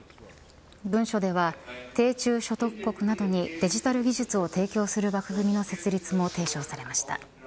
文書では低中所得国などにデジタル技術を提供する枠組みの設立も提唱されました。